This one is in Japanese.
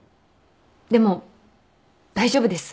でも大丈夫です。